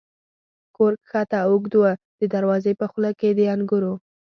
کور کښته او اوږد و، د دروازې په خوله کې د انګورو.